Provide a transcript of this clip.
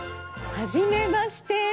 はじめまして！